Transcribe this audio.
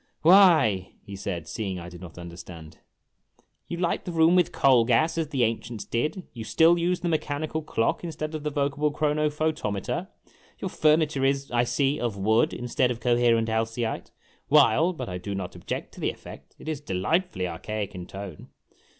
"Why," he said, seeing I did not understand, "you light the room with coal gas, as the ancients did. You still use the mechani cal clock instead of the vocable chronophotometer ; your furniture is, I see, of wood instead of coherent alcyite, while but I clo not object to the effect it is delightfully archaic in tone